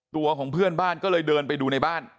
ตัวของเพื่อนบ้านก็เลยเดินไปดูในบ้าน